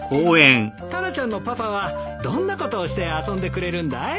タラちゃんのパパはどんなことをして遊んでくれるんだい？